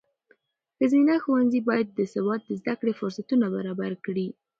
ښځینه ښوونځي باید د سواد د زده کړې فرصتونه برابر کړي.